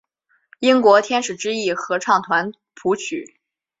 英国天使之翼合唱团谱曲。